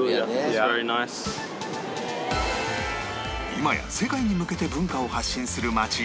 今や世界に向けて文化を発信する街